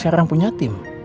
dia juga punya tim